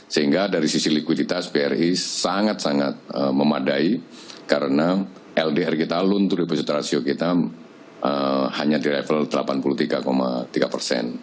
sehingga dari sisi likuiditas bri sangat sangat memadai karena ldr kita loan to deposit ratio kita hanya di level delapan puluh tiga tiga persen